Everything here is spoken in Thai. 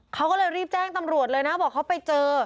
เขาก็เลยรีบแจ้งตำรวจเลยนะบอกเขาไปเจอ